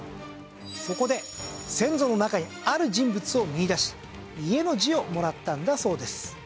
そこで先祖の中にある人物を見いだし「家」の字をもらったんだそうです。